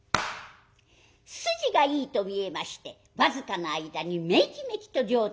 筋がいいと見えまして僅かの間にめきめきと上達いたします。